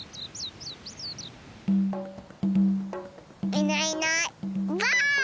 いないいないばあっ！